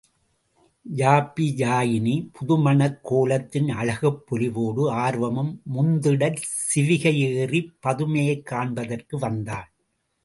யாப்பியாயினி புதுமணக் கோலத்தின் அழகுப் பொலிவோடு, ஆர்வமும் முந்திடச் சிவிகை ஏறிப் பதுமையைக் காண்பதற்கு வந்தாள்.